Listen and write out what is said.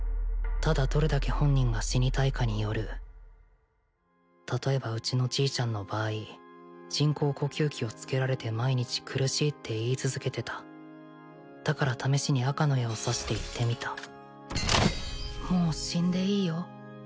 ただどれだけ本人が死にたいかによる例えばうちのじいちゃんの場合人工呼吸器をつけられて毎日苦しいって言い続けてただから試しに赤の矢を刺して言ってみたもう死んでいいよ